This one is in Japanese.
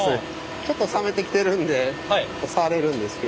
ちょっと冷めてきてるんで触れるんですけど。